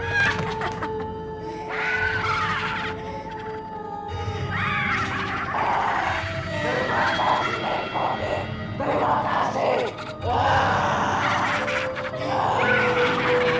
kenapa istriku diberi lokasi